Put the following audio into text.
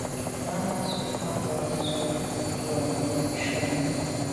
Náná cɛ̌d tswî á ndǎ’ nə̀ tswì ŋkʉ̀n shúnī.